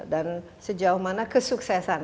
dan sejauh mana kesuksesan